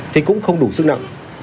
thì cũng không đủ sức nặng